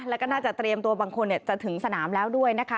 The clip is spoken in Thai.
แล้วก็น่าจะเตรียมตัวบางคนจะถึงสนามแล้วด้วยนะคะ